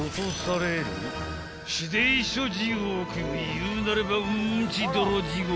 ［言うなればうんち泥地獄］